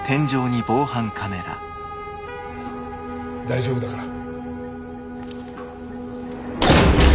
大丈夫だから。